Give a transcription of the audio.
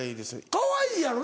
かわいいやろな。